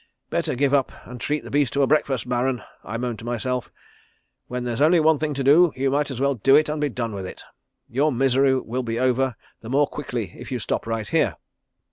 'Better give up and treat the beast to a breakfast, Baron,' I moaned to myself. 'When there's only one thing to do, you might as well do it and be done with it. Your misery will be over the more quickly if you stop right here.'